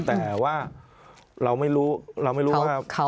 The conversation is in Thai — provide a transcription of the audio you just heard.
แต่ว่าเราไม่รู้เราไม่รู้ว่า